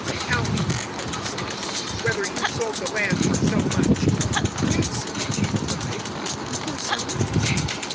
"Tell me," he said, "whether you sold the land for so much." "Yes," she replied, "for so much."